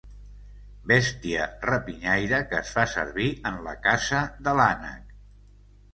Bèstia rapinyaire que es fa servir en la caça de l'ànec.